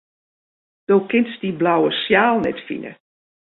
Do kinst dyn blauwe sjaal net fine.